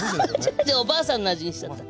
じゃあおばあさんの味にしちゃった。